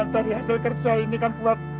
untuk dihasil kerja ini kan buat